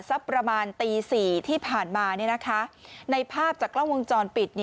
สักประมาณตี๔ที่ผ่านมาในภาพจากกล้องวงจรปิด